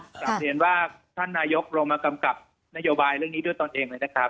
กลับเรียนว่าท่านนายกลงมากำกับนโยบายเรื่องนี้ด้วยตนเองเลยนะครับ